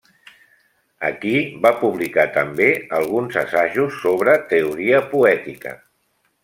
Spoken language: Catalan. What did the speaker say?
Aquí va publicar també alguns assajos sobre teoria poètica.